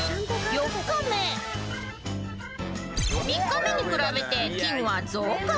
［３日目に比べて菌は増加］